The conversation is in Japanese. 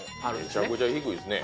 めちゃくちゃ低いですね